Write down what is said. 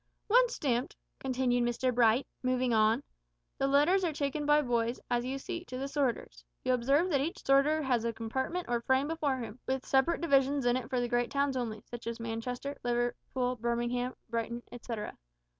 "When stamped," continued Mr Bright, moving on, "the letters are taken by boys, as you see, to the sorters. You observe that each sorter has a compartment or frame before him, with separate divisions in it for the great towns only, such as Manchester, Liverpool, Birmingham, Brighton, etcetera.